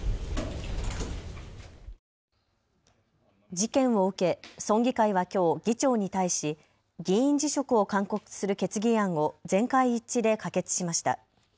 事件を受け、村議会はきょう議長に対し議員辞職を勧告する決議案を全会一致で可決しました。